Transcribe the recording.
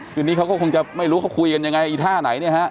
คืนนี้เขาก็คงจะไม่รู้เขาคุยกันยังไงอีท่าไหนเนี่ยฮะ